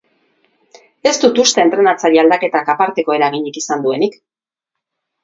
Ez du uste entrenatzaile aldaketak aparteko eraginik izan duenik.